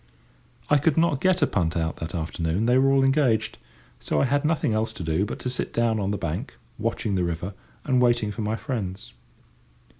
I could not get a punt out that afternoon, they were all engaged; so I had nothing else to do but to sit down on the bank, watching the river, and waiting for my friends.